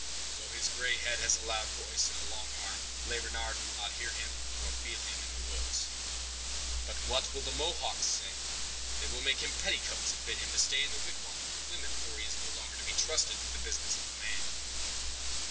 "Though the gray head has a loud voice, and a long arm, Le Renard will not hear him, nor feel him, in the woods." "But what will the Mohawks say? They will make him petticoats, and bid him stay in the wigwam with the women, for he is no longer to be trusted with the business of a man."